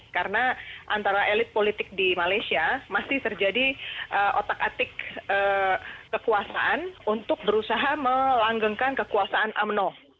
karena antara elit politik di malaysia masih terjadi otak atik kekuasaan untuk berusaha melanggengkan kekuasaan umno